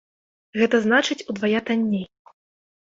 Гэта значыць, удвая танней.